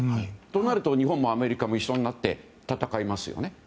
となると日本もアメリカも一緒になって戦いますよね。